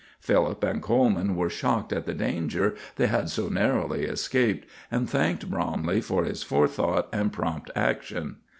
Philip and Coleman were shocked at the danger they had so narrowly escaped, and thanked Bromley for his forethought and prompt action.